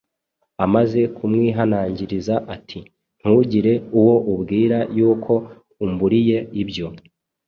amaze kumwihanangiriza ati, “Ntugire uwo ubwira yuko umburiye ibyo.’”